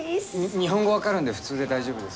日本語分かるんで普通で大丈夫です。